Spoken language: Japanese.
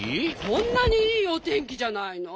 こんなにいいおてんきじゃないの。